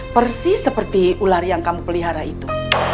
persis seperti ular yang kamu pelihara itu